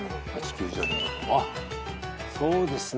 あっそうですね